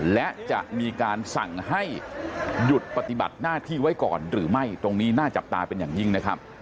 และจะมีการสั่งให้หยุดปฏิบัติหน้าที่ไว้ก่อนหรือไม่ตรงนี้น่าจับตาเป็นอย่างยิ่งนะครับ